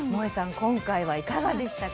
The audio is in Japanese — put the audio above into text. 今回はいかがでしたか？